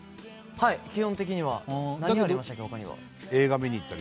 基本的には何ありましたっけ？